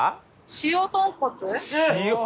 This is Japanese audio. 塩豚骨。